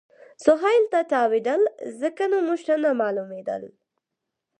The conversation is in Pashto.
سهېل ته تاوېدل، ځکه نو موږ ته نه معلومېدل.